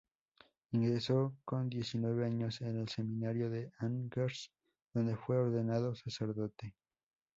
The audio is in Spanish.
Ingresó, con diecinueve años, en el seminario de Angers, donde fue ordenado sacerdote.